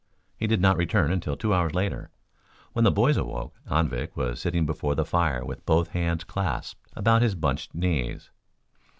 He did not return until two hours later. When the boys awoke Anvik was sitting before the fire with both hands clasped about his bunched knees.